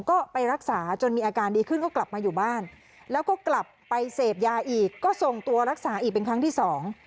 ก็ไปรักษาจนมีอาการดีขึ้นก็กลับมาอยู่บ้านแล้วก็กลับไปเสพยาอีกก็ส่งตัวรักษาอีกเป็นครั้งที่สอง